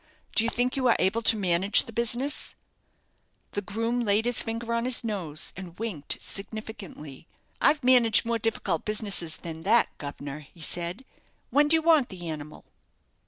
Do you think you are able to manage the business?" The groom laid his finger on his nose, and winked significantly. "I've managed more difficult businesses than that, guv'nor," he said. "When do you want the animal?"